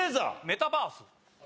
メタバース。